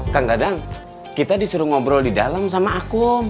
kan kadang kita disuruh ngobrol di dalam sama akum